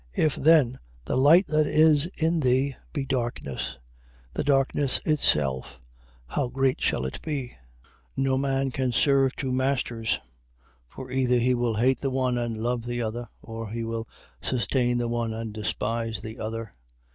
If then the light that is in thee, be darkness: the darkness itself how great shall it be! 6:24. No man can serve two masters. For either he will hate the one, and love the other: or he will sustain the one, and despise the other.